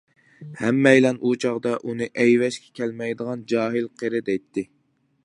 ھەممەيلەن ئۇ چاغدا ئۇنى ئەيۋەشكە كەلمەيدىغان جاھىل قېرى دەيتتى.